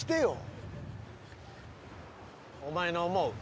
お前の思う。